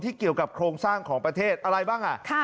เกี่ยวกับโครงสร้างของประเทศอะไรบ้าง